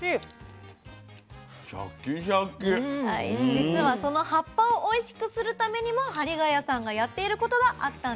実はその葉っぱをおいしくするためにも張ヶ谷さんがやっていることがあったんです。